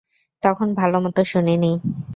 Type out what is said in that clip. তখন ভালোমতো শুনিনি।